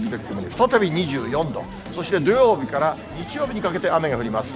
再び２４度、そして土曜日から日曜日にかけて雨が降ります。